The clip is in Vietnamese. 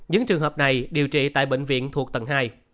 những trường hợp này điều trị tại bệnh viện thuộc tầng hai